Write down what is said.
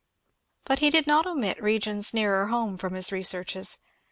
But he did not omit regions nearer home from his researches.